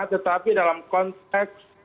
tetapi dalam konteks